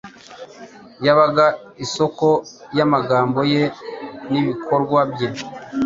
yabaga isoko y’amagambo ye n’ibikorwa bye.